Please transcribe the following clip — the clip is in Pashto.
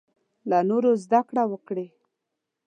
له نورو زده کړه وکړې.